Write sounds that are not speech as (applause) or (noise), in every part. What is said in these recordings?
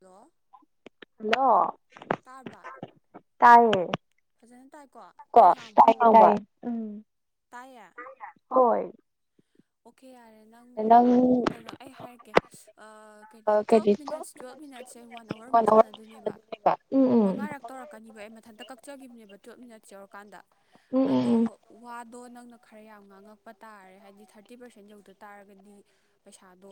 Hello hello ꯇꯥꯔꯕ ꯇꯥꯏꯌꯦ ꯐꯖꯅ ꯇꯥꯏꯀꯣ (unintelligible) ꯇꯥꯏꯌꯦ ꯑꯩꯅ ꯉꯥꯡꯕ ꯇꯥꯏꯌꯦ ꯎꯝ꯫ ꯇꯥꯏꯌꯦ ꯍꯣꯏ꯫ ꯑꯣꯀꯦ ꯌꯥꯔꯦ꯫ ꯎꯪ ꯎꯪ ꯀꯩꯅꯣ ꯑꯩ ꯍꯥꯏꯔꯛꯀꯦ ꯑ ꯀꯔꯤ ꯇꯨꯋꯜꯞ ꯃꯤꯅꯠꯁ ꯇꯨꯋꯜꯐ ꯃꯤꯅꯠꯁꯦ ꯋꯥꯟ ꯑꯋꯥꯔꯃꯨꯛ ꯎꯝ ꯁꯥꯟꯅꯗꯣꯏꯅꯦꯕ ꯎꯝ ꯎꯝ ꯃꯉꯥꯔꯛ ꯇꯧꯔꯛꯀꯅꯤꯕ ꯑꯩ ꯃꯊꯟꯇ ꯀꯛꯆꯒꯤꯈꯤꯕꯅꯦꯕ ꯇꯨꯋꯜꯞ ꯃꯤꯅꯠꯁ꯫ ꯁꯨꯔꯀꯥꯟꯗ꯫ ꯎꯝ ꯑꯗꯣ ꯎꯝ ꯋꯥ꯫ ꯑꯗꯣ ꯅꯪꯅ ꯈꯔ ꯌꯥꯝ ꯉꯥꯡꯉꯛꯄ ꯇꯥꯔꯦ ꯍꯥꯏꯗꯤ ꯊ꯭ꯔ ꯇꯤ ꯄꯥꯔꯁꯦꯟ ꯌꯧꯗ ꯇꯥꯔꯒꯗꯤ ꯄꯩꯁꯥꯗꯣ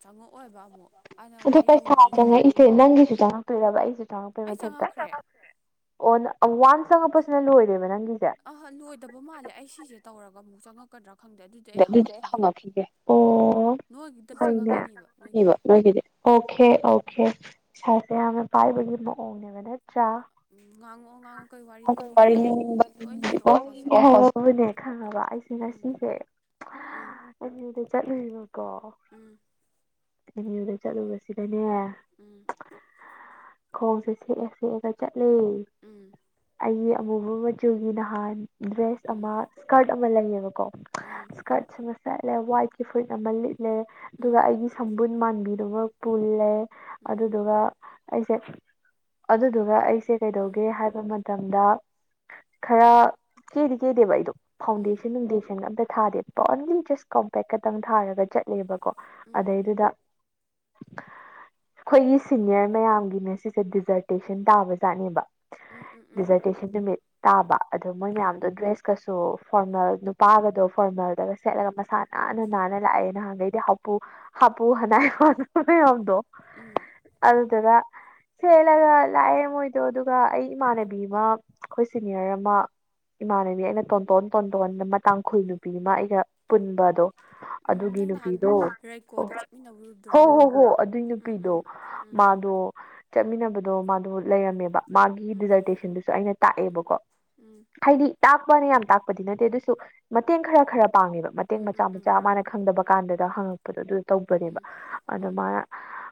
ꯆꯪꯉꯛꯑꯣꯏꯕ꯫ ꯑꯃꯨꯛ ꯑꯗꯨꯅ ꯑꯗꯨ ꯄꯩꯁꯥ ꯋꯥꯔꯤꯒꯨꯝꯕ ꯂꯤꯔꯛꯑꯣ ꯆꯪꯉꯛꯏꯁꯦ ꯅꯪꯒꯤꯁꯨ ꯆꯪꯉꯛꯇꯣꯏꯔꯕ ꯑꯩꯁꯨ ꯆꯪꯉꯛ ꯑꯩ ꯃꯊꯟꯇ ꯆꯪꯉꯛꯈ꯭ꯔꯦ ꯑꯣ (unintelligible) ꯋꯥꯟꯁ ꯆꯉꯄꯁꯤꯅ ꯂꯣꯏꯔꯦꯕ ꯅꯪ ꯑꯍ ꯂꯣꯏꯗꯕ ꯃꯥꯜꯂꯦ ꯑꯩ ꯁꯤꯁꯦ ꯇꯧꯔꯒ ꯑꯃꯨꯛ ꯆꯪꯉꯛ꯫ ꯀꯗꯔ꯫ ꯑꯗꯨꯗꯤ ꯑꯩ ꯍꯪꯉꯛꯈꯤꯒꯦ ꯑꯣ ꯅꯣꯏꯒꯤꯗꯤ ꯐꯩꯅꯦ ꯆꯪꯉꯛꯀꯅꯤꯕ ꯅꯣꯏꯒꯤꯗꯤ ꯑꯣꯈꯦ ꯑꯣꯈꯦ꯫ ꯄꯩꯁꯥꯁꯦ ꯌꯥꯝꯅ ꯄꯥꯏꯕꯒꯤ ꯃꯑꯣꯡꯅꯦꯕ ꯅꯠꯇ꯭ꯔ꯫ ꯎꯝ ꯉꯥꯡꯉꯛꯑꯣ ꯉꯥꯡꯉꯛꯑꯣ ꯀꯩ (unintelligible) ꯋꯥꯔꯤ ꯂꯤꯅꯤꯡꯕ ꯂꯤꯒꯦ ꯂꯣꯏ ꯂꯤꯔꯛꯑꯣ ꯍꯧꯖꯤꯛ ꯈꯪꯉꯕ ꯑꯩꯁꯦ ꯎꯝ ꯉꯁꯤꯁꯦ꯫ ꯎꯝ ꯆꯠꯂꯨꯏꯕ꯫ ꯎꯝ (unintelligible) ꯑꯦꯝꯌꯨꯗ ꯆꯠꯂꯨꯁꯤꯗꯅꯦ꯫ ꯎꯝ꯫ ꯈꯣꯡꯁꯦ ꯁꯦꯛꯑ ꯁꯦꯛꯑꯒ ꯆꯠꯂꯦ ꯎꯝ ꯑꯩꯒꯤ ꯑꯃꯨꯕ ꯃꯆꯨꯒꯤ ꯅꯍꯥꯟ ꯗ꯭ꯔꯦꯁ ꯎꯝ ꯑꯃ ꯁꯀꯔꯠ ꯑꯃꯥ ꯂꯩꯌꯦꯕꯀꯣ ꯎꯝ ꯁꯀꯠ ꯆꯁ ꯆꯠꯂꯦ ꯋꯥꯏꯠꯀꯤ ꯐꯨꯠꯃꯜꯜꯂꯤ ꯂꯩ ꯎꯝ ꯑꯗꯨꯒ ꯎꯝ ꯑꯩꯒꯤ ꯁꯝꯕꯨ ꯃꯥꯟꯕꯤꯔꯕ ꯄꯨꯜꯂꯦ ꯎꯝ ꯑꯗꯨꯗꯨꯒ ꯑꯩꯁꯦ ꯑꯗꯨꯗꯨꯒ ꯑꯩ ꯁꯤ ꯎꯝ ꯎꯝ ꯀꯩꯗꯣ ꯎꯝ ꯍꯥꯏꯕ ꯃꯇꯝꯗ ꯈꯔ ꯀꯦꯗꯤ ꯀꯦꯗꯦꯕ ꯑꯩꯗꯣ ꯐꯥꯎꯟꯗꯦꯁꯟ ꯐꯟꯗꯦꯟ ꯊꯥꯗꯦ ꯄꯣ ꯑꯣꯟꯂꯤ ꯖꯁ ꯀꯣꯝꯄꯦꯛ ꯈꯛꯇꯪ ꯊꯥꯔꯒ ꯆꯠꯂꯦꯕ ꯀꯣ ꯎꯝ ꯑꯗꯩꯗꯨꯗ ꯑꯩꯈꯣꯏꯒꯤ ꯁꯤꯅꯤꯌꯔ ꯃꯌꯥꯝꯒꯤꯅ ꯁꯤꯁꯦ ꯗꯤꯖꯔꯇꯦꯁꯟ ꯇꯥꯕ ꯖꯥꯠꯅꯦꯕ ꯎꯝ ꯗꯤꯖꯔꯇꯦꯁꯟ ꯅꯨꯃꯤꯠ ꯇꯥꯕ ꯑꯗꯣ ꯃꯣꯏ ꯎꯝ ꯃꯌꯥꯝꯗꯣ ꯗ꯭ꯔꯦꯁꯀ ꯑꯣ ꯐꯣꯔꯃꯦꯜ ꯅꯨꯄꯥꯒꯗꯣ ꯐꯣꯔꯃꯦꯜꯗꯒ ꯁꯦꯠꯂꯒ ꯃꯁꯥ ꯅꯥꯟꯅ ꯅꯥꯟꯅ ꯂꯥꯛꯑꯦꯅ ꯅꯍꯥꯟꯒꯩꯗꯤ ꯍꯥꯄꯨ ꯍꯥꯄꯨ ꯍꯅꯥꯏ ꯃꯌꯥꯝꯗꯣ ꯎꯝ ꯁꯦꯂꯒ ꯂꯌꯦ ꯃꯣꯏꯗꯣ ꯑꯗꯨ ꯑꯗꯨꯒ ꯑꯩ ꯏꯃꯥꯟꯅꯕꯤ ꯑꯃ ꯑꯩꯈꯣꯏ ꯁꯤꯅꯤꯌꯔ ꯑꯃ ꯏꯃꯥꯟꯅꯕꯤ ꯑꯩꯅ ꯇꯣꯟꯇꯣꯟ ꯇꯣꯟꯇꯣꯟ ꯑꯃ ꯇꯥꯡꯈꯨꯜ ꯅꯨꯄꯤ ꯑꯃ ꯑꯩꯒ ꯄꯨꯟꯕ ꯑꯗꯣ ꯑꯗꯨꯒꯤ ꯅꯪ ꯅꯍꯥꯟ ꯅꯨꯄꯤꯗꯣ ꯍꯣ ꯔꯩꯀꯣꯗ ꯆꯠꯃꯤꯟꯅꯧꯔꯨꯗꯨꯔꯣ ꯍꯣ ꯍꯣ ꯑꯗꯨꯏ ꯎꯝ ꯎꯝ ꯅꯨꯄꯤꯗꯣ ꯎꯝ ꯃꯥꯗꯣ ꯆꯠꯃꯤꯟꯅꯕꯗꯣ ꯃꯥꯗꯣ ꯂꯩꯔꯝꯃꯦꯕ ꯃꯥꯒꯤ ꯎꯝ ꯗꯤꯖꯔꯇꯦꯁꯟꯗꯨꯁꯨ ꯑꯩꯅ ꯇꯥꯛꯑꯦꯕꯀꯣ ꯎꯝ ꯍꯥꯏꯗꯤ ꯇꯥꯛꯄꯅ ꯌꯥꯝ ꯇꯥꯛꯄꯗꯤ ꯅꯠꯇꯦ ꯑꯗꯨꯁꯨ ꯃꯇꯦꯡ ꯈꯔ ꯈꯔ ꯄꯥꯡꯉꯦꯕ ꯃꯇꯦꯡ ꯎꯝ ꯃꯆꯥ ꯎꯝ ꯎꯝ ꯃꯆꯥ ꯃꯥꯅ ꯈꯪꯗꯕ ꯀꯥꯟꯗ ꯍꯪꯛꯄꯗꯣ ꯑꯗꯨ ꯎꯝ ꯇꯧꯕꯅꯦꯕ ꯎꯝ ꯑꯗꯥ ꯎꯝ ꯃꯥꯅ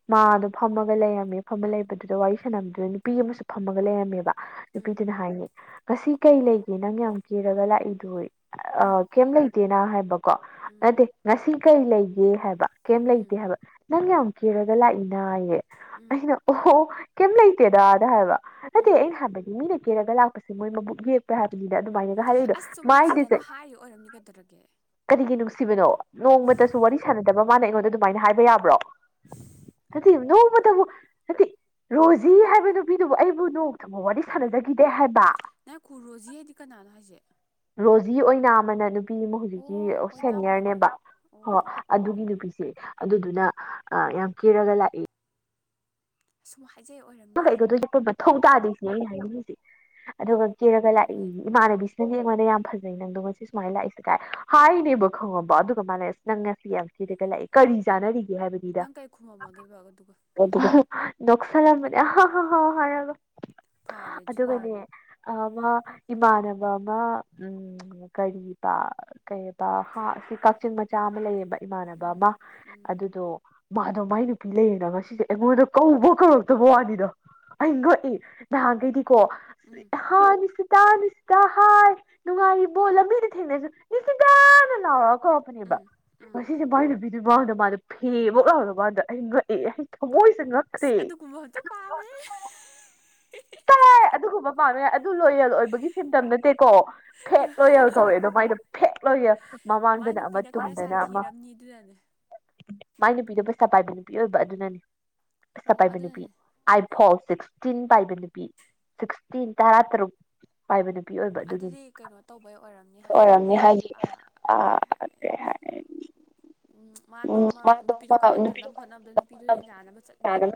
ꯃꯥꯗꯣ ꯐꯝꯃꯒ ꯂꯩꯔꯝꯃꯦ ꯐꯝꯃ ꯂꯩꯕꯗꯨꯗ ꯋꯥꯔꯤ ꯁꯥꯟꯝꯗꯨꯅ ꯅꯨꯄꯤ ꯑꯃꯁꯨ ꯐꯝꯃꯒ ꯂꯩꯔꯝꯃꯦꯕ ꯎꯝ ꯅꯨꯄꯤꯗꯨꯅ ꯍꯥꯏꯅꯦ ꯉꯁꯤ ꯀꯩ ꯂꯩꯒꯦ ꯅꯪ ꯌꯥꯝ ꯀꯤꯔꯒ ꯂꯥꯛꯏꯗꯨ ꯑ ꯀꯩꯝ ꯂꯩꯇꯦꯅ ꯍꯥꯏ ꯀꯣ ꯎꯝ ꯅꯠꯇꯦ ꯉꯁꯤ ꯀꯩ ꯂꯩꯒꯦ ꯍꯥꯏꯕ ꯀꯝ ꯎꯝ ꯂꯩꯇ ꯍꯥꯏꯕ ꯅꯪ ꯌꯥꯝ ꯀꯤꯔꯒ ꯂꯥꯛꯏꯅ ꯑꯩꯌꯦ ꯎꯝ ꯑꯩꯅ ꯑꯣ ꯀꯩꯝ ꯂꯩꯇꯦꯗ ꯑꯗ ꯍꯥꯏꯕ ꯅꯇꯦ ꯎꯝ ꯑꯩꯟ ꯍꯥꯏꯕꯗꯤ ꯃꯤꯅ ꯀꯦꯔꯒ ꯂꯥꯛꯄꯁꯦ ꯃꯣꯏ ꯃꯕꯨꯛ ꯌꯦꯛꯄ꯭ꯔꯥ ꯍꯥꯏꯕꯅꯤ ꯑꯗꯨꯃꯥꯏ ꯍꯥꯏꯔꯛꯏꯗꯣ ꯑꯁ ꯁꯨꯝ ꯅꯨꯡꯁꯤꯗꯅ ꯃꯥꯏꯁꯦ ꯍꯥꯏꯔꯤ ꯑꯣꯏꯔꯝꯅꯤ ꯀꯩꯗꯧꯔꯒꯦ ꯁꯤꯕꯅꯣ ꯅꯣꯡꯃꯇꯁꯨ ꯋꯥꯔꯤ ꯁꯥꯟꯅꯗꯕ ꯃꯥꯅ ꯑꯩꯉꯣꯟꯗ ꯑꯗꯨꯃꯥꯏꯅ ꯍꯥꯏꯕ ꯌꯥꯕ꯭ꯔꯣ (unintelligible) ꯍꯥꯏꯗꯤ ꯔꯣꯖꯤ ꯍꯥꯏꯕ ꯅꯨꯄꯤ ꯑꯗꯨꯕꯨ ꯑꯩꯕꯨ ꯅꯣꯡ ꯇꯕꯨ ꯋꯥꯔꯤ ꯁꯥꯟꯅꯖꯈꯤꯗꯦ ꯍꯥꯏꯕ ꯅꯪ ꯔꯣꯖꯤ ꯍꯥꯏꯗꯤ ꯀꯅꯥꯅꯣ ꯍꯥꯏꯁꯦ (unintelligible) ꯅꯨꯄꯤ ꯑꯃ ꯍꯧꯖꯤꯛꯀꯤ ꯑꯣ ꯑꯣꯏꯅꯥꯝ ꯑꯣꯏꯔꯦ ꯁꯦꯅꯤꯌꯔꯅꯦꯕ ꯑꯣ ꯍꯣ ꯑꯣ ꯑꯗꯨꯒꯤ ꯅꯨꯄꯤꯁꯦ ꯁꯤ ꯑꯗꯨꯗꯨꯅ ꯌꯥꯝ ꯀꯦꯔꯒ ꯂꯥꯛꯏ (unintelligible) ꯏꯆꯦ ꯑꯣꯏꯔꯝꯅꯤ ꯊꯧ ꯇꯥꯗꯦꯁꯤꯅꯤ ꯑꯩꯅ ꯍꯥꯏꯅꯤꯡꯉꯤꯁꯦ ꯑꯗꯨꯒ ꯀꯦꯔꯒ ꯂꯥꯛꯏ ꯍꯣꯏ ꯏꯃꯥꯟꯅꯕꯤꯁꯤꯅꯗꯤ ꯑꯩꯉꯣꯟꯗ ꯌꯥꯝ ꯎꯝ ꯐꯖꯩ ꯅꯪꯗꯣ ꯃꯦ ꯁꯨꯃꯥꯏꯅ ꯂꯥꯛꯏꯁꯦ ꯀꯥꯏ ꯍꯥꯏꯅꯦꯕ ꯈꯪꯉꯕꯣ ꯑꯗꯨꯒ ꯃꯥꯅꯏꯁꯤ ꯅꯪ ꯉꯁꯤꯗꯤ ꯌꯥꯝ ꯀꯦꯔꯒ ꯂꯥꯛꯏ ꯀꯔꯤ ꯆꯥꯅꯔꯤꯒꯦ ꯍꯥꯏꯕꯅꯤꯗ ꯅꯪ ꯀꯩ ꯈꯨꯝꯃꯝꯃꯒꯦꯕ ꯑꯗꯨꯒ (unintelligible) ꯍ ꯍ ꯍ ꯍꯥꯏꯔꯒ ꯑꯗꯨꯒꯅꯦ (inaudible) ꯏꯃꯥꯟꯅꯕ ꯑꯃ ꯀꯔꯤꯕ ꯀꯩ ꯍꯥ ꯁꯤ ꯀꯛꯆꯤꯡ ꯃꯆꯥ ꯑꯃ ꯂꯩꯌꯦꯕ ꯏꯃꯥꯟꯅꯕ ꯎꯝ ꯑꯃ ꯎꯝ ꯑꯗꯨꯗꯣ ꯃꯥꯗꯣ ꯃꯥꯏ ꯅꯨꯄꯤ ꯂꯩꯔꯦꯅ ꯉꯥꯁꯤꯁꯦ ꯑꯩꯉꯣꯟꯗ ꯀꯧꯕ ꯋꯥꯅꯤꯗ ꯑꯩ ꯉꯛꯏ ꯅꯍꯥꯟꯈꯩꯗꯤ ꯀꯣ ꯎꯝ ꯅꯤꯁꯤꯇꯥ ꯍꯥꯏ ꯅꯨꯡꯉꯥꯏꯕꯣ ꯂꯝꯕꯤꯗ ꯊꯦꯡꯅꯁꯨ ꯅꯤꯁꯤꯇꯥ ꯇꯅ ꯂꯥꯎꯔꯛ ꯎꯝ ꯎꯝ (unintelligible) ꯑꯗꯨ ꯃꯥꯡꯗ ꯃꯥꯗ ꯐꯦ ꯑꯃ ꯉꯥꯎꯗ ꯃꯗ ꯑꯩ ꯉꯛꯑꯦ ꯑꯩ ꯊꯃꯣꯏ (unintelligible) ꯑꯁ ꯉꯛꯈꯔ꯭ꯦ ꯑꯗꯨꯒꯨꯝꯕ ꯑꯝꯇ (unintelligible) ꯄꯥꯝꯃꯦ ꯇꯥꯏ ꯑꯗꯨꯒꯨꯝꯕ ꯄꯥꯝꯃꯦ ꯀꯥꯏ ꯑꯗꯨ ꯂꯣꯌꯦꯜ ꯑꯣꯏꯕꯒꯤ ꯁꯤꯝꯇꯝ ꯅꯠꯇꯦꯀꯣ ꯐꯦꯛ ꯂꯣꯌꯦꯜ ꯀꯧꯋꯦ ꯑꯗꯣ ꯃꯥꯏꯅ ꯐꯦꯛ ꯂꯣꯌꯦꯜ ꯃꯥꯏ ꯃꯃꯥꯡꯗꯅ ꯑꯃ ꯅꯨꯄꯤꯅ ꯈꯔ ꯇꯨꯡꯗꯅ ꯑꯃ ꯁꯥꯊꯤꯔꯝꯅꯤ ꯑꯗꯨꯅꯅꯦ ꯃꯥꯏ ꯅꯨꯄꯤꯗ ꯄꯩꯁ ꯄꯥꯏꯕ ꯅꯨꯄꯤ ꯑꯣꯏꯕ ꯑꯗꯨꯅꯅꯤ ꯑꯣ ꯑꯗꯨꯗꯅꯦ ꯑꯥꯢꯐꯣꯟ ꯁꯤꯛꯁꯇꯤꯟ ꯄꯥꯏꯕ ꯅꯨꯄꯤ ꯁꯤꯛꯁꯇꯤꯟ ꯇꯔꯥ ꯇꯔꯨꯛ ꯄꯥꯏꯕ ꯅꯨꯄꯤ ꯑꯣꯏꯕ ꯑꯗꯨꯒꯤꯅꯤ ꯑꯗꯨꯗꯤ ꯀꯩꯅꯣ ꯇꯧꯕꯩ ꯑꯣꯏꯔꯝꯅꯤ ꯍꯥꯏꯗꯤ ꯑꯣꯏꯔꯝꯅꯤ ꯍꯥꯏꯗꯤ ꯀꯩ ꯑꯥ ꯍꯥꯏ ꯀꯩ ꯍꯥꯏ ꯃꯥꯗꯣ ꯎꯝ ꯑꯃ ꯃꯥꯗꯣ ꯅꯨꯄꯤꯗꯣ ꯃꯥ ꯅꯨꯄꯤꯗꯣ ꯀꯥꯏꯅꯗꯅꯕ ꯍꯣꯠꯅꯕꯗ ꯅꯨꯄꯤꯗꯣ ꯌꯥꯅꯕ ꯆꯠꯂꯤꯅꯤ ꯀꯥꯏꯅ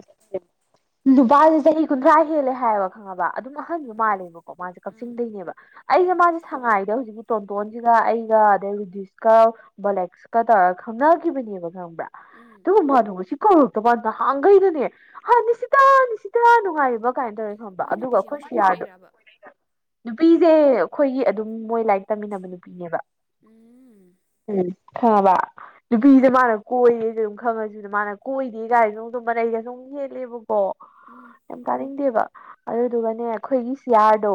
ꯅꯨꯄꯥꯁꯤ ꯆꯍꯤ ꯀꯨꯟꯊ꯭ꯔꯥ ꯍꯦꯜꯂꯦ ꯍꯥꯏꯌꯦꯕ ꯈꯪꯉꯕ ꯑꯗꯨꯝ ꯑꯍꯟꯁꯨ ꯎꯝ ꯃꯥꯜꯂꯦꯕꯀꯣ ꯃꯥꯁꯦ ꯎꯝ ꯀꯛꯆꯤꯡꯗꯩꯅꯦꯕ ꯑꯩꯁꯦ ꯎꯝ ꯃꯥꯁꯦ ꯁꯉꯥꯏꯗ ꯍꯧꯖꯤꯛꯀꯤ ꯇꯣꯟꯇꯣꯟꯁꯤꯒ ꯑꯩꯒ ꯑꯗꯩ ꯔꯨꯗꯤꯁꯀ ꯕꯣꯂꯦꯛꯁꯀ ꯇꯧꯔꯒ ꯈꯪꯅ ꯀꯕ (unintelligible) ꯕ꯭ꯔꯥ ꯎꯝ ꯇ ꯃꯗꯨꯁꯤ ꯀꯣ (unintelligible) ꯕꯥꯗ ꯅꯍꯥꯟꯈꯩꯩꯅꯅꯦ ꯅꯤꯁꯤꯇꯥ ꯅꯤꯁꯤꯇꯥ ꯅꯨꯡꯉꯥꯏꯕ ꯀꯥꯏꯅ ꯇꯧꯏ ꯈꯪꯉꯕ ꯃꯥꯏ ꯑꯗꯨꯒ ꯅꯨꯄꯤꯁꯦ ꯑꯩꯈꯣꯏ ꯉꯁꯤ ꯁꯤ ꯑꯥꯔ ꯗꯣ ꯀꯣꯏꯔꯛꯏꯔꯕ ꯅꯨꯄꯤꯁꯦ ꯑꯩꯈꯣꯏꯒꯤ ꯑꯗꯨꯝ ꯃꯣꯏ ꯂꯥꯏꯔꯤꯛ ꯇꯝꯃꯤꯟꯅꯕ ꯅꯨꯄꯤꯅꯦꯕ ꯎꯝ ꯎꯝ ꯈꯥꯕ ꯅꯨꯄꯤꯁꯦ ꯃꯥꯅ ꯀꯣꯏꯌꯦꯗ ꯑꯗꯨꯝ ꯈꯪꯉꯁꯨꯗ ꯃꯥꯅ ꯀꯣꯏꯗꯦ ꯀꯥꯏꯗ ꯅꯣꯗꯝ ꯃꯅꯩꯒ ꯁꯨꯝ ꯌꯦꯦꯜꯂꯦꯕ ꯑꯣ ꯎꯝ ꯌꯥꯝ ꯇꯥꯅꯤꯡꯗꯦꯕ ꯑꯗꯨꯗꯨꯒꯅꯦ ꯑꯩꯈꯣꯏꯒꯤ ꯁꯤꯌꯥꯔꯗꯣ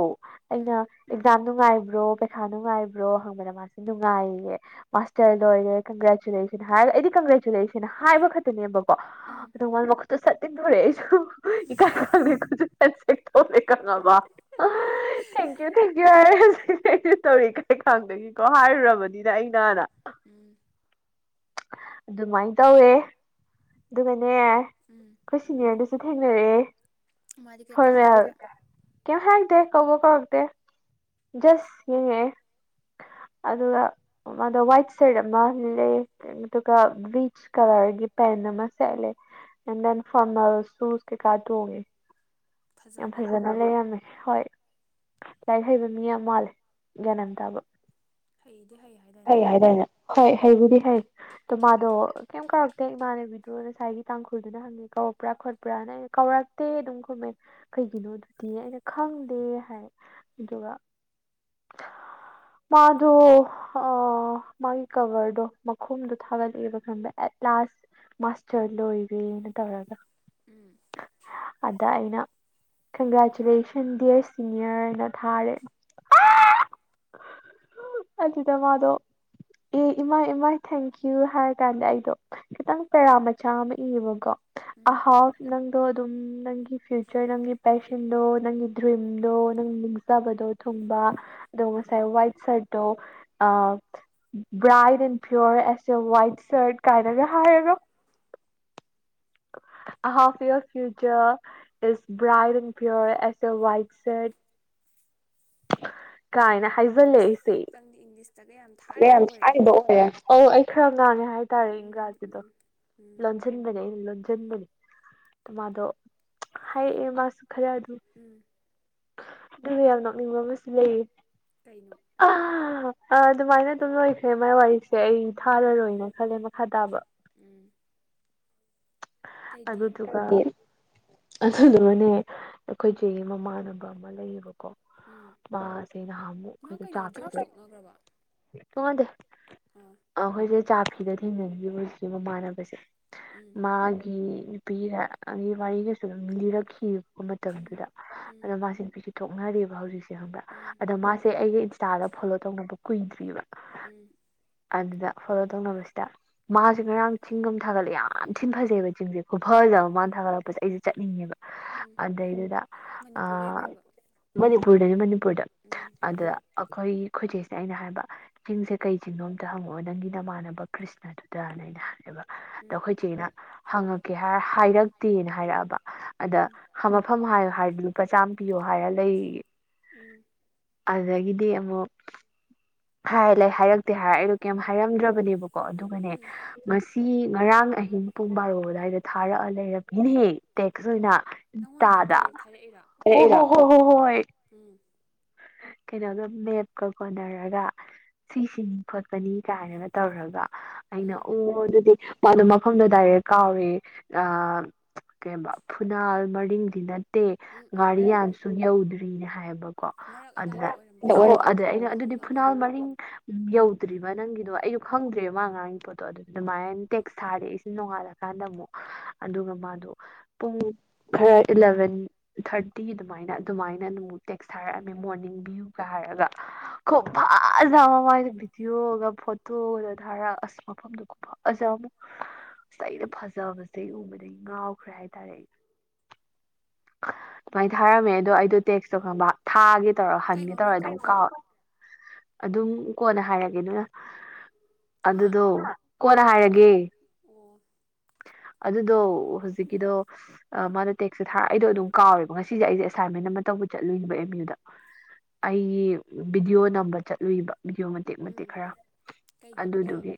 ꯎꯝ ꯑꯩꯅ ꯑꯦꯖꯝ ꯅꯨꯡꯉꯥꯏꯕ꯭ꯔꯣ ꯄꯩꯈꯥ ꯅꯨꯡꯉꯥꯏꯕ꯭ꯔꯣ ꯍꯪꯕꯗ ꯃꯥꯁꯦ ꯅꯨꯡꯉꯥꯏꯌꯦ ꯃꯥꯁꯇꯔ ꯂꯣꯏꯔꯦꯒ꯭ꯔꯦ ꯍꯥꯏ ꯑꯩꯗꯤ ꯀꯪꯒ꯭ꯔꯦꯆꯨꯂꯦꯁꯟ ꯍꯥꯏꯕ ꯈꯛꯇꯨꯅꯦꯕꯣ ꯀꯣ ꯎꯝ ꯑꯗꯨ ꯨ ꯁꯇꯤꯤꯟ ꯊꯣꯛꯦꯁꯨ ꯀ ꯆ ꯇꯧ ꯀ ꯊꯨ ꯊꯨ ꯇꯧꯔꯤ ꯀꯔꯤ ꯈꯗꯒꯤꯀꯣ ꯍꯥꯏꯔꯨꯔꯕꯅꯤꯅ ꯑꯩꯅꯥꯟꯅ ꯎꯝ ꯑꯗꯨꯃꯥꯏꯅ ꯇꯧꯋꯦ ꯕꯦꯟ ꯅꯦ ꯎꯝ ꯈꯁꯤꯅꯤ ꯑꯗꯨ ꯁꯤ ꯗꯦ ꯃꯥꯗꯤ ꯀꯩꯀꯩ ꯐꯣꯔꯃꯦꯦꯜ ꯍꯥꯏꯔꯛꯀꯦ ꯀꯃ ꯍꯥꯏꯔꯒ ꯗ ꯀꯧꯕ ꯀꯧꯔꯛꯇꯦ ꯖꯁ ꯌꯦꯡꯉꯛꯑꯦ ꯑꯗꯨꯒ ꯃꯥꯗ ꯋꯥꯏꯠ ꯁꯔꯠ ꯑꯃ ꯂꯩ ꯑꯗꯨꯒ ꯕ꯭ꯆ ꯀꯂꯔꯒꯤ ꯄꯦꯟ ꯑꯃ ꯁꯦꯠꯂꯦ ꯑꯦꯟ ꯗꯦꯟ ꯐꯔꯃꯦꯜ ꯁꯨꯁ ꯀꯩꯀꯥ ꯇꯣꯡꯉꯦ ꯌꯥꯝ ꯐꯖꯕ꯭ꯔꯣ ꯐꯖꯅ ꯂꯩꯔꯝꯃꯦ ꯍꯣꯏ ꯂꯥꯏꯔꯤꯛ ꯍꯩꯕ ꯃꯤ ꯌꯥꯝ ꯃꯥꯜꯂꯦ ꯒ꯭ꯌꯥꯅꯝ ꯇꯥꯕ ꯍꯩꯗꯤ ꯍꯩ ꯍꯥꯏꯗꯥꯏꯅꯦ ꯐꯩ ꯍꯥꯏꯅꯦ ꯍꯣꯏ ꯍꯩꯕꯨꯗꯤ ꯍꯩ ꯑꯣ ꯃꯥꯗꯣ ꯀꯩꯝ ꯀꯛ ꯍ ꯏꯃꯥꯟꯅꯕꯤꯗꯣ ꯉꯁꯥꯏꯒꯤ ꯇꯥꯡꯈꯨꯜꯗꯨꯅ ꯍꯪꯉꯦ ꯀꯧꯔꯛꯄ꯭ꯔꯥ ꯈꯣꯠꯄ꯭ꯔꯥꯅ ꯑꯩꯅ ꯀꯧꯔꯛꯇꯦ ꯑꯗꯨꯝ ꯈꯨꯝꯃꯦ ꯀꯩꯒꯤꯅꯣ ꯑꯗꯨꯗꯤ ꯑꯩꯅ ꯈꯪꯗꯦ ꯍꯥꯏ ꯑꯗꯨꯒ ꯃꯥꯗꯣ ꯃꯥꯒꯤ ꯀꯕꯔꯗꯣ ꯃꯈꯣꯨꯝꯗꯣ ꯊꯥꯒꯠꯂꯛꯑꯦꯕ ꯈꯪꯕ ꯑꯦꯠ ꯀ꯭ꯂꯥꯁꯥꯁ ꯃꯥꯁꯇꯔ ꯂꯣ ꯏꯦꯅ ꯇꯧꯔꯒ ꯎꯝ ꯑꯗ ꯑꯩꯅ ꯀꯪꯒ꯭ꯔꯦꯆꯨꯂꯦꯁꯟ ꯗꯤꯌꯔ ꯁꯤꯅꯤꯌꯔꯅ ꯊꯥꯔꯦ ꯎꯝ ꯑꯗꯨꯗ ꯃꯥꯗꯣ ꯑꯦ ꯏꯃꯥ ꯏꯃꯥꯏ ꯊꯦꯡꯀ꯭ꯌꯨ ꯍꯥꯏꯔꯀꯥꯟꯗ ꯑꯩꯗꯣ ꯈꯤꯇꯪ ꯄꯦꯔꯥ ꯃꯆꯥ ꯑꯃ ꯏꯕꯀꯣ ꯎꯝ ꯑꯍꯥꯎ ꯅꯪꯗ ꯑꯗꯨꯝ ꯅꯪꯒꯤ ꯐ꯭ꯌꯨꯆꯔ ꯅꯪꯒꯤ ꯄꯦꯁꯟꯗꯣ ꯅꯪꯒꯤ ꯗ꯭ꯔꯤꯝꯗꯣ ꯅꯪ ꯅꯤꯡꯖꯕꯗꯣ ꯊꯨꯡꯕ ꯗꯉ ꯉꯁꯥꯏ ꯎꯝ white ꯁꯔꯠꯣ uh right and pure S A white shirt ꯀꯥꯏꯔꯒ ꯍꯥꯏꯒ ꯑ half year future is right and pure S A white set ꯀꯥꯏꯅ ꯍꯥꯏꯖꯜꯂꯦ ꯏꯁ ꯑꯩꯁꯦ ꯅꯪꯗꯤ ꯏꯪꯂꯤꯁꯇꯒ ꯌꯥꯝ ꯊꯥꯔꯤꯕ ꯑꯣꯏꯔꯦ ꯍꯥꯏꯗꯦ ꯍꯒꯦ ꯍꯥꯏꯇꯥꯔꯦ ꯎꯝ ꯏꯪꯒꯥꯁꯤꯗꯣ ꯎꯝ ꯎꯝ ꯂꯣꯟꯁꯤꯟꯕꯅꯦ ꯑꯩꯅ ꯂꯣꯟꯁꯤꯟꯕꯅꯦ ꯃꯗꯣ ꯍꯥꯏꯌꯦ ꯈꯔ ꯑꯗꯨ ꯎꯝ ꯑꯗꯨ ꯌꯥꯎꯅꯣ ꯃꯁ ꯂꯩ ꯀꯩꯅꯣ ꯑ ꯑ ꯑꯗꯨꯃꯥꯏꯅ ꯇꯝꯣꯏꯁꯦ ꯃꯥꯏ ꯋꯥ ꯋꯥꯔꯤꯦ ꯁꯦ ꯑꯩ ꯎꯝ ꯊꯥꯔꯔꯣꯏꯅ ꯈꯜꯂꯦ ꯍꯥꯇꯥꯕ ꯎꯝ ꯑꯇꯩꯗꯤ ꯑꯗꯨꯗꯨꯒ ꯑꯗꯨꯗꯨꯅꯅꯦ ꯑꯩꯈꯣꯏꯁꯦ ꯃꯃꯥꯟꯅꯕ ꯑꯃ ꯂꯩꯌꯦꯕꯀꯣ ꯎꯝ ꯃꯥꯁꯅ ꯍꯥꯃꯨ ꯃꯥ ꯀꯩꯗꯣ ꯀꯩꯅꯣ ꯖꯣꯔꯁ ꯆꯥꯈ꯭ꯔꯕ ꯇꯣꯛꯅꯈ꯭ꯔꯕ ꯀꯗ ꯑꯥ ꯑꯈꯣꯏꯁꯦ ꯆꯥ ꯁꯤꯗ ꯊꯦꯡꯅꯈꯤꯕ ꯍꯧꯖꯤꯛꯀꯤ ꯃꯃꯥꯟꯅꯕꯁꯦ ꯎꯝ ꯃꯥꯒꯤ ꯅꯨꯄꯤꯒ ꯑꯩꯒꯤ ꯋꯥꯔꯤꯒꯁꯨ ꯑꯗꯨꯝ ꯂꯤꯔꯛꯈꯤꯕ ꯎꯝ ꯃꯇꯝꯗꯨꯗ ꯎꯝ ꯑꯗꯣ ꯃꯥꯁꯤ ꯄꯤ ꯇꯣꯛꯅꯔꯦ (unintelligible) ꯍꯧꯖꯤꯛꯁꯦ ꯈꯪꯕ꯭ꯔꯥ ꯎꯝ ꯑꯗꯣ ꯃꯥꯁꯦ ꯑꯩꯒꯤ ꯏꯟꯁꯇꯥꯗ ꯐꯣꯂꯣ ꯇꯧꯅꯕ ꯀꯨꯏꯗ꯭ꯔꯤꯕꯥ ꯎꯝ ꯑꯗꯨꯗ ꯐꯣꯂꯣ ꯇꯧꯅꯕꯁꯤꯗ ꯃꯥꯁꯦ ꯉꯔꯥꯡ ꯆꯤꯡꯒ ꯑꯃ ꯊꯥꯒꯠꯂꯦ ꯌꯥꯝ ꯊꯤꯟ ꯐꯖꯩꯑꯕ ꯆꯤꯡꯁꯦ ꯈꯨꯐꯖꯕ ꯃꯥꯅ ꯊꯥꯒꯠꯂꯛꯄꯁꯦ ꯑꯩꯁꯦ ꯆꯠꯅꯤꯡꯉꯦꯕ ꯎꯝ ꯑꯗꯩꯗꯨꯗꯥ ꯃꯅꯤꯄꯨꯔ ꯑꯥ ꯂꯩꯕ꯭ꯔꯕ ꯃꯅꯤꯄꯨꯔꯗꯅꯤ ꯃꯅꯤꯄꯨꯔꯗ ꯎꯝ ꯑꯗꯨꯗ ꯑꯩꯈꯣꯏ ꯑꯩꯈꯣꯏꯒꯤ ꯈꯣꯏꯖꯦꯛꯁꯦ ꯑꯩꯅ ꯍꯥꯏꯕ ꯆꯤꯡꯁꯦ ꯀꯩ ꯆꯤꯡꯗꯣꯝꯇ ꯍꯪꯉꯛꯑꯣ ꯅꯪꯒꯤ ꯅꯃꯥꯟꯅꯕ ꯀ꯭ꯔꯤꯁꯅꯗꯨꯗꯅ ꯑꯩꯅ ꯍꯥꯏꯜꯂꯦꯕ ꯑꯗ ꯎꯝ ꯑꯩꯈꯣꯏ ꯆꯦꯅ ꯍꯪꯉꯛꯀꯦ ꯍꯥꯏꯔ ꯍꯥꯏꯔꯛꯇꯦꯅ ꯍꯥꯏꯔꯛꯑꯕ ꯑꯗ ꯎꯝ ꯈꯝꯃꯐꯝ ꯍꯥꯏ ꯍꯥꯏ ꯂꯨꯄꯥ ꯆꯥꯝꯃ ꯄꯤꯌꯣ ꯍꯥꯏꯔ ꯂꯩ ꯎ ꯎꯝ ꯑꯗꯨꯗꯒꯤꯗꯤ ꯑꯃꯨꯛ ꯍꯥꯏ ꯂꯩ ꯍꯥꯏ ꯇ ꯍꯥꯏꯔ ꯑꯩꯗꯣ ꯀꯩ ꯎꯝ ꯍꯥꯏꯔꯝꯗ꯭ꯔꯕꯅꯦꯕꯀꯣ ꯑꯗꯨꯒꯅꯦ ꯎꯝ ꯉꯁꯤ ꯉꯔꯥꯡ ꯑꯍꯤꯡ ꯄꯨꯡ ꯕꯥꯔꯣ ꯑꯗꯨꯋꯥꯏꯗ ꯊꯥꯔꯛꯑ ꯂꯩꯔꯝꯃꯤꯅꯦꯍ ꯇꯦꯛꯁ ꯑꯣꯏꯅ ꯅꯪꯉꯣꯟꯗ ꯇꯥꯗꯥ ꯗꯥꯏꯔꯦꯛ ꯊꯥꯔꯛꯏꯔꯣ ꯍ ꯍꯣꯏ ꯎꯝ ꯀꯩꯅꯣꯒꯣ ꯃꯦꯞꯀ ꯀꯣꯟꯅꯔꯒ ꯁꯤꯁꯤꯅꯤ ꯈꯣꯠꯄꯅꯤ ꯀꯥꯏꯅ ꯇꯧꯔꯒ ꯑꯩꯅ ꯎꯝ ꯑꯣ ꯑꯗꯨꯗꯤ ꯃꯥꯗꯣ ꯃꯐꯝꯗꯣ ꯗꯥꯏꯔꯦꯛ ꯀꯥꯎꯔꯤ ꯀꯩꯕ ꯐꯨꯅꯥꯜ ꯃꯔꯤꯡꯗꯤ ꯅ ꯅꯠꯇꯦ ꯎꯝ ꯎꯝ ꯒꯥꯔꯤ ꯎꯝ ꯌꯥꯝꯁꯨ ꯌꯧꯗ꯭ꯔꯤꯅꯦ ꯍꯥꯏꯕꯀꯣ ꯃꯔꯛ ꯑꯗꯥꯏꯗ ꯑꯗꯨꯗ ꯑꯣꯏꯔꯝꯕꯁꯨ ꯑꯣ ꯌꯥꯏ ꯑꯗꯨꯗ ꯑꯩꯅ ꯑꯗꯨꯗꯤ ꯐꯥꯎꯅꯐꯝ ꯅꯥꯜ ꯃꯅꯤ ꯌꯧ ꯎꯗ꯭ꯔꯤꯕ ꯅꯪꯒꯤꯗꯣ ꯑꯩꯁꯨꯣ ꯈꯪꯗ꯭ꯦꯕ ꯃꯥ ꯑꯉꯥꯡꯒꯤ ꯄꯣꯠꯇꯣ ꯑꯗꯨꯗꯤ ꯑꯗꯨꯃꯥꯏꯅ ꯇꯦꯛꯁ ꯊꯥꯔꯦꯏꯁꯤ ꯅꯣꯡꯉꯥꯜꯂꯀꯥꯟꯗ ꯑꯃꯨꯛ ꯑꯗꯨꯒ ꯃꯥꯗꯣ ꯄꯨꯡ ꯈꯔ ꯏꯂꯚꯦꯟ ꯊꯥꯔꯇꯤ ꯑꯗꯨꯃꯥꯏꯅ ꯑꯗꯨꯃꯥꯏꯅ ꯑꯗꯨꯨ ꯇꯦꯛꯁ ꯊꯥꯔꯛꯑꯝꯃꯦ ꯃꯣꯔꯅꯤꯡ ꯚꯤꯌꯨꯒ ꯍꯥꯏꯔꯒ ꯈ ꯐꯖ ꯑꯃ ꯃꯅ ꯚꯤꯗꯤꯑꯣꯒ ꯐꯣꯇꯣꯒ ꯊꯥꯔ ꯑꯁ ꯃꯐꯝꯗꯣ ꯐꯖꯕ ꯑꯃꯛ ꯑꯁ ꯑꯩꯅ ꯐꯖꯕꯁꯦ ꯎꯕꯗꯒꯤ ꯉꯥꯎꯈ꯭ꯔꯦ ꯍꯥꯏꯇꯥꯔꯦ ꯑꯩ ꯑꯗꯨꯃꯥꯏꯅ ꯊꯥꯔꯝꯃꯦ ꯑꯗꯣ ꯑꯩꯗꯣ ꯇꯦꯛꯁ ꯇꯧ ꯈꯪꯕ ꯊꯥꯒꯤ ꯇꯧꯔ ꯀꯩ ꯍꯟꯒꯦ ꯃꯃꯤꯡ ꯇꯧꯔꯒ ꯑꯗꯨꯝ ꯀꯧꯒꯦ ꯀꯥꯎ ꯑꯗꯨꯝ ꯀꯣꯟꯅ ꯍꯥꯏꯔꯒꯦ ꯑꯗꯨꯅ ꯍꯥ ꯑꯗꯨꯗꯣ ꯀꯣꯟꯅ ꯍꯥꯏꯔꯒꯦ ꯑꯣ ꯑꯗꯨꯗꯣ ꯍꯧꯖꯤꯛꯀꯤꯗꯣ ꯃꯥꯅ ꯇꯦꯛꯁꯁꯦ ꯊꯥꯔ ꯑꯩꯗꯣ ꯑꯗꯨꯝ ꯀꯥꯎꯋꯦꯕ ꯉꯁꯤꯁꯦ ꯑꯩꯁꯦ ꯑꯦꯁꯥꯏꯟꯃꯦꯟ ꯑꯃ ꯇꯧꯕ ꯆꯠꯂꯨꯅꯦꯕ ꯑꯦꯝ ꯌꯨꯗ ꯑꯩꯒꯤ ꯚꯕꯤꯗꯤꯑꯣ ꯅꯝꯕ ꯆꯠꯂꯨꯏꯕ ꯚꯗꯤꯑꯣ ꯃꯇꯦꯛ ꯃꯇꯦꯛ ꯎꯝ ꯈꯔ ꯀꯩꯒꯤ ꯚꯤꯗꯤꯑꯣ ꯑꯗꯨꯗꯨꯒꯤ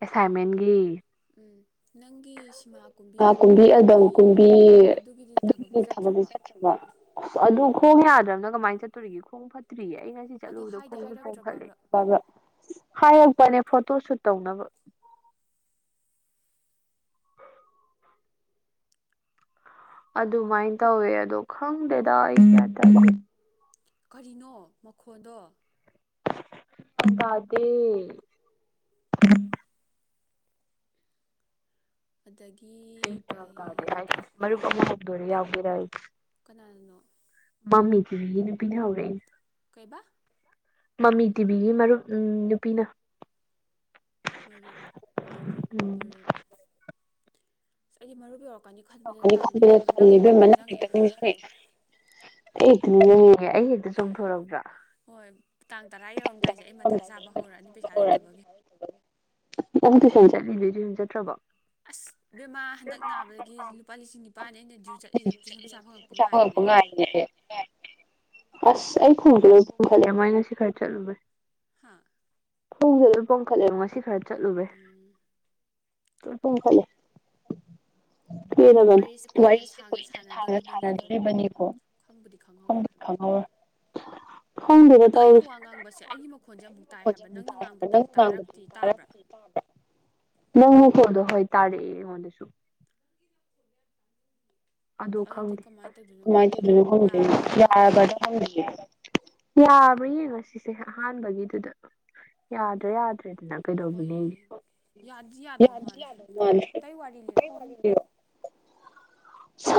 ꯑꯦꯁꯥꯏꯟꯃꯦꯟꯒꯤ ꯎꯝ ꯅꯪꯒꯤ ꯁꯤꯃꯥ ꯑꯦꯜꯕꯝ ꯀꯨꯝꯕꯤ ꯑꯦꯜ ꯀꯨꯝꯕꯤ ꯑꯗꯨꯒꯤꯗꯤ ꯑꯗꯨꯒꯤ ꯊꯕꯛꯇꯤ ꯊꯕ ꯆꯠꯇ꯭ꯔꯕꯣ ꯆ ꯈꯣꯡ ꯌꯥꯗ꯭ꯔꯅ ꯀꯃꯥꯏꯅ ꯆꯠꯇꯣꯔꯤꯒꯦ ꯈꯣꯡ ꯐꯠꯇ ꯐ꯭ꯔꯤꯌꯦ ꯑꯩ ꯉꯁꯤ ꯑꯗꯣ ꯆꯠꯂꯨꯕꯗꯣ ꯍꯥꯏꯗꯤ ꯈꯣꯡꯁꯨ ꯆꯣꯡꯈꯠꯂꯦ ꯍꯥꯏꯔꯛꯇ꯭ꯔꯕꯕ꯭ꯔꯥ ꯍꯥꯏꯔꯛꯄꯅꯦ ꯐꯣꯇꯣ ꯁꯨꯠ ꯇꯧꯅꯕ ꯑꯗꯨꯃꯥꯏꯅ ꯇꯧꯋꯦ ꯑꯗꯣ ꯈꯪꯗꯦꯗ ꯑꯩ ꯀꯔꯤꯅꯣ ꯃꯈꯣꯟꯗꯣ ꯗꯦ (unintelligible) (inaudible) ꯑꯗꯒꯤ ꯀꯩ ꯀꯩ ꯀꯩ ꯃꯔꯨꯞ ꯑꯃꯨꯛ ꯍꯗꯣꯔꯤ ꯌꯥꯎ ꯔ (unintelligible) (inaudible) ꯀꯅꯥꯅꯣ ꯃꯃꯤꯗꯨꯔꯤ ꯅꯨꯄꯤꯅ ꯍꯧꯔꯦꯅꯦ ꯀꯩ ꯕꯥ ꯃꯃꯤ ꯇꯤꯕꯤꯒꯤ ꯃꯔꯨꯞ ꯎ ꯅꯨꯄꯤꯅ ꯃꯔꯨꯞ ꯃꯔꯨꯞ ꯎꯝ ꯃꯔꯨꯞ ꯑꯩꯒꯤ ꯃꯔꯨꯞ ꯌꯧꯔꯛꯀꯅꯤ ꯈꯟꯕꯗ ꯇꯜꯂꯤ ꯌꯧꯔꯛꯅꯤ ꯏꯕꯦꯝꯃ ꯈꯟꯕꯗꯥ ꯍꯦꯛꯇ ꯅꯪ ꯅꯤꯡꯁꯤꯡꯉꯛꯑꯦ ꯍꯦꯛꯇꯥ ꯅꯤꯡ ꯖꯥꯪꯉꯥꯛꯏ ꯑꯩ ꯍꯦꯛꯇꯥ ꯅꯤꯪ ꯖꯡꯉꯛꯏ ꯍꯣꯏ ꯇꯥꯡ ꯇꯔꯥ ꯇꯥꯟ ꯇꯉꯥꯏ ꯌꯧꯔꯝꯗꯥꯏꯁꯦ ꯑꯩ ꯃꯊꯥ ꯌꯧꯔꯝꯗꯥꯏꯗ ꯁꯥꯥꯕ ꯍꯧꯔꯛꯑꯅꯤ ꯄꯩꯁꯥ ꯂꯩꯇꯕꯒꯤ ꯑꯪ ꯇꯨꯏꯁꯟ ꯆꯠꯂꯤꯗ ꯇꯨꯏꯁꯟ ꯆꯠꯇ꯭ꯔꯕꯣ ꯑꯁ ꯕꯦꯃꯥ ꯍꯟꯗꯛ ꯅꯥꯕꯗꯒꯤ ꯂꯨꯄꯥ ꯂꯤꯁꯤꯡ ꯅꯤꯄꯥꯥꯟꯅꯤ ꯑꯩꯅ ꯗ꯭ꯌꯨ ꯆꯠꯂꯤꯁꯦ ꯇꯨꯏꯁꯟ ꯄꯩꯁꯥ ꯐꯪꯉꯛꯄ ꯉꯥꯏꯔꯤꯅꯦ ꯑꯩ ꯑꯁ ꯑꯩ ꯈꯣꯡꯗꯒ ꯈꯜꯂꯦ ꯃꯣꯏ ꯉꯁꯤ ꯈꯔ ꯆꯠꯂꯨꯕꯦ ꯍꯥ ꯈꯣꯡꯁꯦ ꯑꯗꯨ ꯄꯣꯡꯈꯠꯂꯦꯕ ꯉꯁꯤ ꯈꯔꯗꯤ ꯆꯠꯂꯨꯨꯔꯦ ꯎꯝ ꯄꯣꯝꯈꯠꯂꯦ ꯄ ꯋꯥꯔꯤꯁꯦ ꯀꯨꯏꯅ ꯋꯥꯔꯤꯁꯤꯦ ꯁꯥꯡꯅ ꯀꯨꯏꯅ ꯁꯥꯅ ꯁꯥꯟꯅꯗꯣꯔꯤꯕꯅꯤꯀꯣ ꯁꯥꯟꯅꯗꯣꯔꯤꯕꯅꯤꯀꯣ ꯈꯪꯕꯨꯗꯤ ꯈꯪꯍꯧꯔꯣꯏ ꯈꯪꯍꯧꯔ ꯑꯗꯣ ꯑꯩꯅ ꯋꯥ ꯉꯥꯡꯕꯁꯦ ꯑꯩꯒꯤ ꯃꯈꯣꯟꯁꯦ ꯑꯃꯨꯛ ꯇꯥꯏ ꯍꯥꯏꯕ ꯅꯪ ꯅꯪꯅ ꯇ ꯉꯥꯡꯕꯗꯗꯤ ꯅꯪ ꯇꯥꯔꯛꯇꯤ ꯇꯥꯕ꯭ꯔꯥ (inaudible) (unintelligible) ꯅꯪ ꯈꯣꯟꯗꯨ ꯍꯣꯏ ꯇꯥꯔꯛꯑꯦ ꯑꯩꯉꯣꯟꯗꯁꯨ ꯑꯗꯨ ꯑꯗꯨꯗꯤ ꯈꯗꯦ ꯀꯃꯥꯏꯅ ꯇꯧꯗꯣꯏꯅꯣ ꯀꯃꯥꯏꯅ ꯈꯪꯗꯦꯅꯦ ꯇꯧꯗꯣꯏꯅꯣ ꯈꯪꯗꯦ ꯌꯥꯒꯗ꯭ꯔꯥ ꯌꯥꯗ ꯈꯪꯗꯦ ꯌꯥꯕ꯭ꯔꯥ ꯌꯦꯡꯉꯁꯤꯁꯦ ꯑꯍꯥꯟꯕꯒꯤꯗꯨꯗ ꯌꯥꯗ꯭ꯔꯥ ꯌꯥꯗ꯭ꯔꯦ ꯍꯣꯏ ꯀꯩꯗꯧꯕꯅꯦ ꯌꯥꯗꯤ ꯌꯥꯗꯧ ꯃꯥꯜꯂꯦ (inaudible) ꯑꯇꯩ ꯋꯥꯔꯤ ꯂꯤꯔꯛꯑꯣ (unintelligible)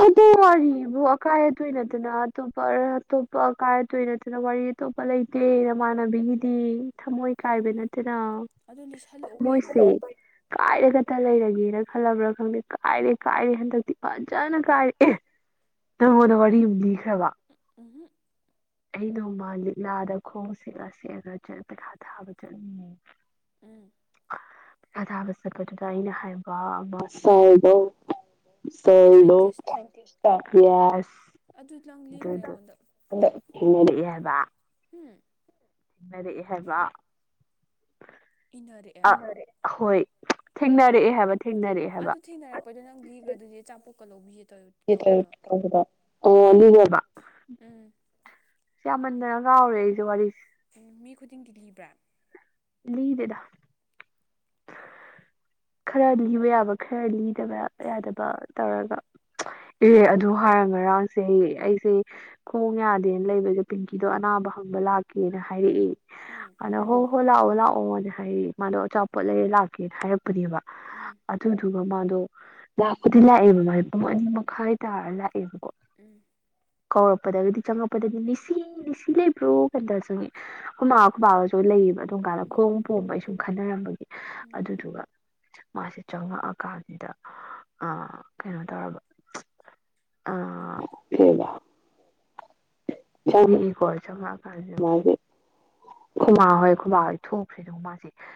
ꯑꯗꯨ ꯋꯥꯔꯤꯕꯨ ꯑꯀꯥꯏ ꯑꯇꯣꯏ ꯅꯠꯇꯅ ꯑꯇꯣꯞꯄ ꯑꯇꯣꯞꯄ ꯑꯀꯥꯏ ꯑꯇꯣꯏ ꯅꯠꯇꯅ ꯋꯥꯔꯤ ꯑꯇꯣꯞꯄ ꯂꯩꯇꯦ ꯅꯃꯥꯟꯅꯕꯤꯒꯤꯗꯤ ꯊꯃꯣꯏ ꯀꯥꯏꯕ ꯅꯠꯇꯦ ꯁꯤꯗ ꯑꯗꯨ ꯂꯤꯁꯜꯂꯛꯑꯣ ꯀꯩꯅꯣ ꯃꯣꯏꯁꯤ (inaudible) (unintelligible) ꯀꯥꯏꯔ ꯈꯛꯇ ꯂꯩꯔꯒꯦꯅ ꯈꯜꯂꯕ꯭ꯔꯥ ꯈꯪꯗꯦ ꯀꯥꯏꯔꯦ ꯀꯥꯏꯔꯦ ꯍꯟꯗꯛꯇꯤ ꯐ ꯐꯖꯅꯥ ꯀꯥꯏ ꯅꯪꯉꯣꯟꯗ ꯋꯥꯔꯤ ꯑꯃ ꯂꯤꯈ꯭ꯔꯕ ꯎꯝꯍ (inaudible) (unintelligible) ꯑꯩ ꯅꯣꯡꯃ ꯂꯤꯛꯂꯥꯗ ꯈꯣꯡ ꯁꯦꯂ ꯁꯦꯠꯑꯒ ꯆ ꯄꯩꯊꯥ ꯊꯥꯕ ꯆꯠꯅꯤꯡ ꯎꯝ ꯄꯥ ꯊꯥꯕ ꯆꯠꯄꯗꯨꯗ ꯑꯩꯅ ꯍꯥꯏꯕ ꯑꯃ ꯁꯦꯜꯂꯣ (unintelligible) ꯄꯤꯌꯥꯁ ꯑꯗꯨꯗ ꯂꯪ ꯂꯤꯈ꯭ꯔꯦ ꯑꯩꯉꯣꯟꯗ ꯍꯟꯅꯔ ꯍꯥꯏꯕ ꯎꯝ (unintelligible) ꯔꯛꯑꯦ ꯍꯥꯏꯕ ꯏꯅꯔꯛꯑꯦ ꯑꯦ ꯍꯣꯏ ꯊꯦꯡꯅꯔꯛꯑꯦ ꯍꯥꯏꯕ ꯊꯦꯡꯅꯔꯛꯑꯦ ꯑꯗꯨ ꯊꯦꯡꯅꯔꯛꯄꯩꯗꯣ ꯅꯪ ꯈ꯭ꯔꯗꯨꯗꯤ ꯆꯆꯥꯄꯣꯛ ꯀꯗꯧꯕꯩ (unintelligible) ꯌꯦꯠꯇꯁꯨꯗ ꯑꯣ ꯅꯉꯦꯕ ꯎꯝ ꯁꯤ ꯌꯥꯝꯃꯟꯗꯅ ꯀꯥꯎꯔꯦ ꯑꯩꯁꯦ ꯋꯥꯔꯤꯁꯦ ꯃꯤ ꯈꯨꯗꯤꯡꯒꯤ ꯂꯤꯕ꯭ꯔꯥ ꯏꯗꯗ ꯈꯔ ꯂꯤꯕ ꯌꯥꯕ ꯈꯔ ꯂꯤꯗꯕ ꯌꯥꯗꯕ ꯇꯧꯔꯒ ꯏꯔꯦꯛ ꯑꯗꯨ ꯍꯥꯏꯔꯝꯒ ꯔꯥꯎ ꯁ ꯎꯝ ꯑꯩꯁꯦ ꯈꯣꯡ ꯌꯥꯗꯦꯅ ꯂꯩꯕꯁꯦ ꯄꯤꯡꯀꯤꯗꯣ ꯑꯅꯥꯕ ꯍꯪꯕ ꯂꯥꯛꯀꯦꯅ ꯍꯥꯏꯔꯛꯏ ꯎꯝ ꯑꯅꯣ ꯍꯣ ꯑꯣ ꯂꯥꯛꯑꯣ ꯂꯥꯛꯑꯣ ꯃꯥꯗꯤ ꯍꯥꯏꯌꯦ ꯃꯥꯗꯣ ꯑꯆꯥꯄꯣꯠ ꯂꯩꯔ ꯂꯥꯛꯀꯦꯅ ꯍꯥꯏꯔꯛꯄ ꯅꯦꯕ ꯎꯝ ꯑꯗꯨꯗꯨ ꯃꯗꯣ ꯂꯥꯛꯄꯗꯤ ꯂꯥꯛꯑꯦꯕ ꯃꯥꯒꯤ ꯄꯨꯡ ꯑꯅꯤ ꯃꯈꯥꯏ ꯇꯥꯔ ꯂꯥꯛꯑꯦꯕꯀꯣ ꯎꯝ ꯀꯧꯔꯛꯄꯗꯗꯒꯤꯗꯤ ꯆꯪꯉꯛꯄꯗꯗꯤ ꯅꯤꯁꯤ ꯅꯤꯁꯤ ꯂꯩꯕ꯭ꯔꯣ ꯀꯟꯗ ꯆꯪꯉꯦꯣꯏ ꯈꯨꯕꯥꯒꯁꯨ ꯂꯩꯌꯦꯕ ꯑꯗꯨꯝ ꯀꯥꯟꯗ ꯎꯝ ꯈꯣꯡꯕ ꯎꯝ ꯄꯣꯝꯕ ꯑꯩ ꯁꯨꯝ ꯈꯟꯅꯔꯝꯕꯒꯤ ꯎꯝ ꯑꯗꯨꯗꯨꯒ ꯃꯥꯁꯦ ꯆꯪꯉꯛꯑꯀꯥꯟꯁꯤꯗ ꯑ ꯀꯩꯅꯣ ꯇꯧꯔꯕ ꯑꯥ ꯆꯪꯉꯛꯏꯀꯣ ꯆꯪꯉꯛꯑꯀꯥꯟꯁꯤꯗ ꯃꯥꯁ ꯈꯨꯃꯥ ꯍꯣꯏ ꯈꯨꯃꯥ ꯍꯣꯏ ꯊꯣꯛꯈꯦꯗ ꯃꯥꯁꯦ